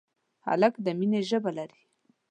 هلک د مینې ژبه لري.